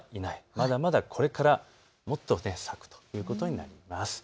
まだまだこれからもっと咲くということになります。